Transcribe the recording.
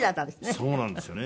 そうなんですよね。